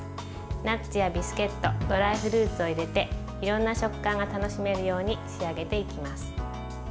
ナッツやビスケットドライフルーツを入れていろんな食感が楽しめるように仕上げていきます。